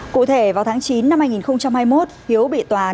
cụ thể vào tháng chín năm hai nghìn hai mươi một hiếu bị tòa án